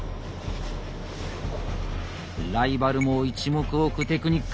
ライバルも一目置くテクニック。